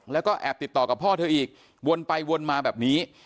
แล้วก็แอบติดต่อกับพ่อเธออีกวนไปวนมาแบบนี้